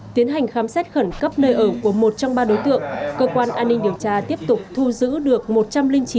tiến hành khám xét khẩn cấp nơi ở của một trong ba đối tượng cơ quan an ninh điều tra tiếp tục thu giữ được